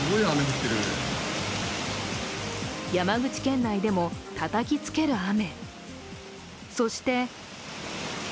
山口県内でも、たたきつける雨。